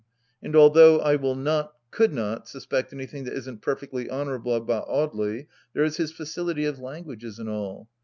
And although I will not, could not, suspect anything that isn't perfectly honourable about Audely ... there is his facility of languages and all.